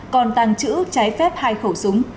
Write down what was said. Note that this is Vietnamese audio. còn tăng chữ trái phép hai khẩu súng